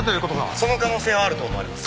その可能性はあると思われます。